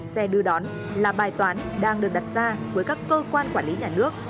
xe đưa đón là bài toán đang được đặt ra với các cơ quan quản lý nhà nước